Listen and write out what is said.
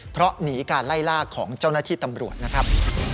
เพราะหนีการไล่ล่าของเจ้าหน้าที่ตำรวจนะครับ